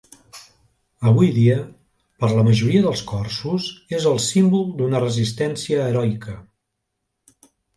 Avui dia, per a la majoria dels corsos, és el símbol d'una resistència heroica.